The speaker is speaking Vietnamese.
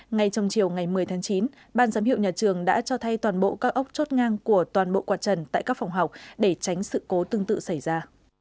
ngay trong chiều ngày một mươi tháng chín ban giám hiệu nhà trường đã cho thay toàn bộ các ốc chốt ngang của toàn bộ quạt trần tại các phòng học để tránh sự cố tương tự xảy ra